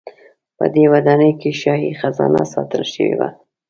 په دې ودانۍ کې شاهي خزانه ساتل شوې وه.